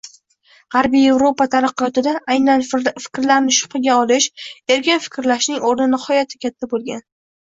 Gʻarbiy Yevropa taraqqiyotida aynan fikrlarni shubhaga olish, erkin fikrlashning oʻrni nihoyatda katta boʻlgan.